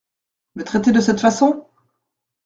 Me traiter de cette façon !